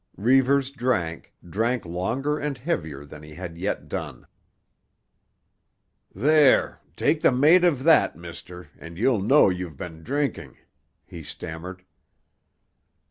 Reivers drank, drank longer and heavier than he had yet done. "There; take the mate of that, mister, and you'll know you been drinking," he stammered.